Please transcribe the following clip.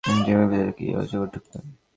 ডিমের ভিতরে কি অজগর ডুকবে!